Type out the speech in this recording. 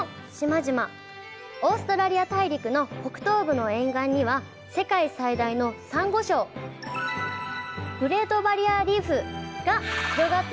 オーストラリア大陸の北東部の沿岸には世界最大のサンゴ礁グレート・バリア・リーフが広がっているんです。